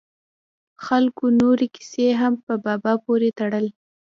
خلکو نورې کیسې هم په بابا پورې تړل.